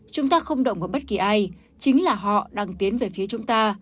chúng ta không động ở bất kỳ ai chính là họ đang tiến về phía chúng ta